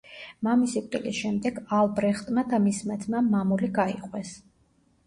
მამის სიკვდილის შემდეგ ალბრეხტმა და მისმა ძმამ მამული გაიყვეს.